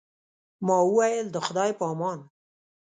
ما وویل، د خدای په امان.